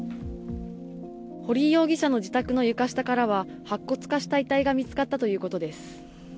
堀井容疑者の自宅の床下からは、白骨化した遺体が見つかったということです。